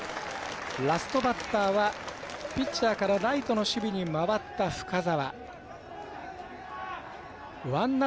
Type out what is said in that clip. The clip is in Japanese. ラストバッターはピッチャーからライトの守備に回った、深沢。